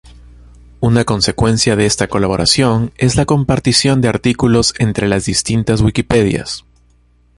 Una consecuencia de esta colaboración es la compartición de artículos entre las distintas Wikipedias.